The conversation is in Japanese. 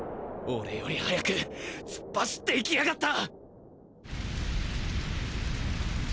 俺より速く！突っ走って行きやがった！